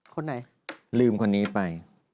คนไหนลืมคนนี้ไป